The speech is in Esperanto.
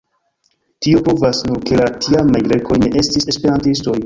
Tio pruvas nur, ke la tiamaj Grekoj ne estis Esperantistoj.